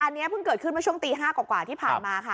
อันนี้เพิ่งเกิดขึ้นเมื่อช่วงตี๕กว่าที่ผ่านมาค่ะ